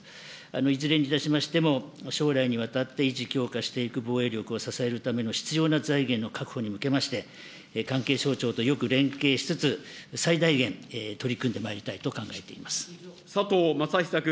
いずれにいたしましても、将来にわたって維持強化していく防衛力を支えるための必要な財源の確保に向けまして、関係省庁とよく連携しつつ、最大限、取り組んでま佐藤正久君。